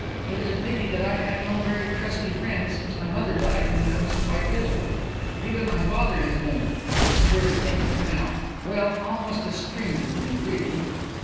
"It is a pity that I had no very trusty friend, since my mother died when I was quite little. Even my father has been it is queer to think of it now well, almost a stranger to me really."